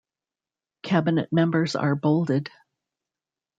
Cabinet members are bolded.